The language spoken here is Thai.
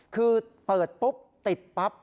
คือเปิดปุ๊บติดปั๊บ